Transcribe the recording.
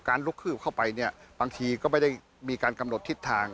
การลุกขึ้นเข้าไปบางทีก็ไม่ได้มีการกำหนดทิศทาง